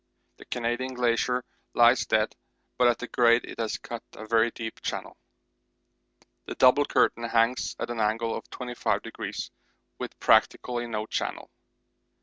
The Canadian Glacier lies dead, but at 'grade' it has cut a very deep channel. The 'double curtain' hangs at an angle of 25°, with practically no channel.